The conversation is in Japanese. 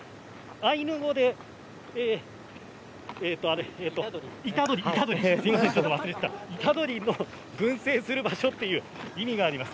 アイヌ語でイタドリが群生する場所という意味があります。